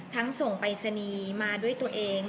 ทั้งส่งไปสนีมาด้วยตัวเอง